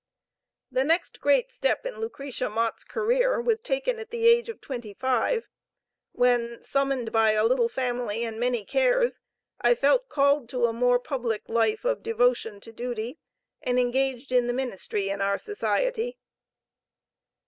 The next great step in Lucretia Mott's career, was taken at the age of twenty five, when, "summoned by a little family and many cares, I felt called to a more public life of devotion to duty, and engaged in the ministry in our Society."